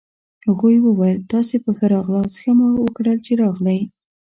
هغوی وویل: تاسي په ښه راغلاست، ښه مو وکړل چي راغلئ.